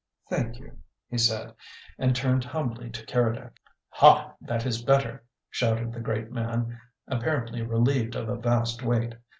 "Thank you," he said, and turned humbly to Keredec. "Ha, that is better!" shouted the great man, apparently relieved of a vast weight.